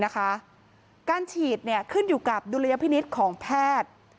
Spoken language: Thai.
การฉีดขึ้นอยู่กับดุลยพินิษฐ์ของแพทย์